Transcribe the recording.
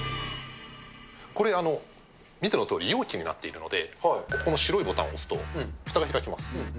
これ、見てのとおり容器になっているので、ここの白いボタンを押すと、ふたが開きます。